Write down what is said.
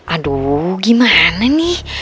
aduh gimana nih